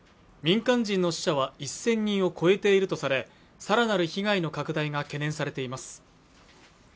民間人の死者は１０００人を超えているとされさらなる被害の拡大が懸念されています